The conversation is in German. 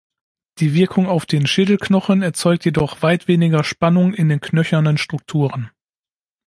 Die Wirkung auf den Schädelknochen erzeugt jedoch weit weniger Spannung in den knöchernen Strukturen.